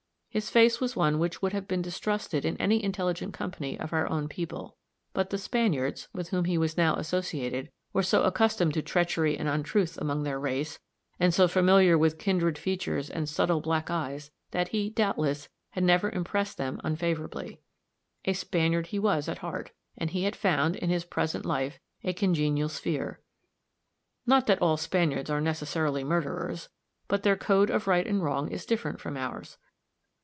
His face was one which would have been distrusted in any intelligent company of our own people; but the Spaniards, with whom he was now associated, were so accustomed to treachery and untruth among their race, and so familiar with kindred features and subtle black eyes, that he, doubtless, had never impressed them unfavorably. A Spaniard he was at heart, and he had found, in his present life, a congenial sphere. Not that all Spaniards are necessarily murderers but their code of right and wrong is different from ours.